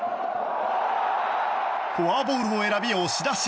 フォアボールを選び、押し出し。